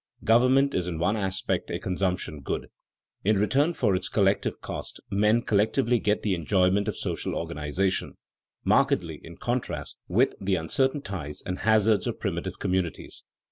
Government is in one aspect a consumption good. In return for its collective cost men collectively get the enjoyment of social organization, markedly in contrast with the uncertain ties and hazards of primitive communities.